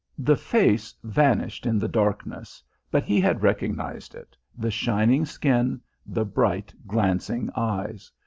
The face vanished in the darkness, but he had recognised it the shining skin, the bright glancing eyes.